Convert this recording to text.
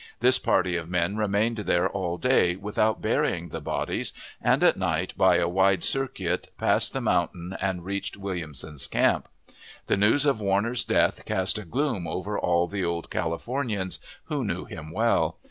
This party of men remained there all day without burying the bodies, and at night, by a wide circuit, passed the mountain, and reached Williamson's camp. The news of Warner's death cast a gloom over all the old Californians, who knew him well.